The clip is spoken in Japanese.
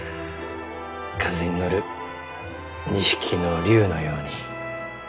風に乗る２匹の竜のように。